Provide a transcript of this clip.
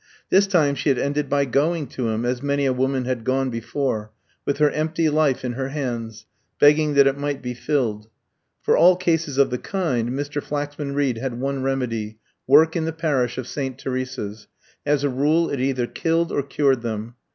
This time she had ended by going to him, as many a woman had gone before, with her empty life in her hands, begging that it might be filled. For all cases of the kind Mr. Flaxman Reed had one remedy work in the parish of St. Teresa's; as a rule it either killed or cured them.